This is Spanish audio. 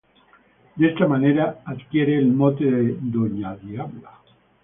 De esta manera adquiere el mote de "Doña Diabla".